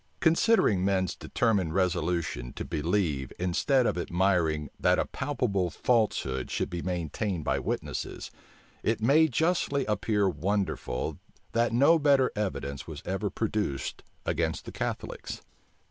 Considering men's determined resolution to believe, instead of admiring that a palpable falsehood should be maintained by witnesses, it may justly appear wonderful, that no better evidence was ever produced against the Catholics.